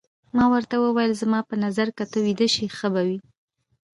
ما ورته وویل: زما په نظر که ته ویده شې ښه به وي.